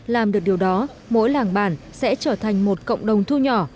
làm được điều đó mỗi làng bản sẽ trở thành một cộng đồng thu nhỏ